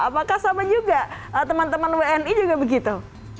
apakah sama juga teman teman wni juga begitu